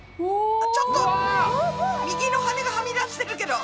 あっちょっと右の羽がはみ出してるけど。